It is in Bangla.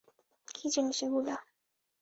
কী জিনিস এগুলো?